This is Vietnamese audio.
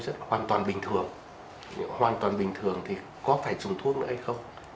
rất hoàn toàn bình thường hoàn toàn bình thường thì có phải dùng thuốc nữa hay không